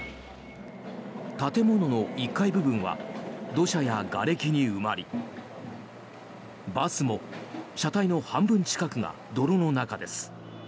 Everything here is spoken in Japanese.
建物の１階部分は土砂やがれきに埋まりバスも車体の半分近くが泥の中です。